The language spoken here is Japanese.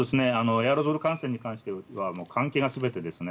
エアロゾル感染に関しては換気が全てですね。